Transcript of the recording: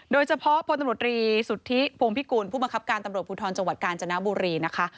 โดยเฉพาะพลตำรวจรีสุทธิพงพิกูลผู้บังคับการตำรวจภูทรจังหวัดกาญจนบุรีนะคะ